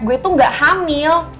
gue tuh gak hamil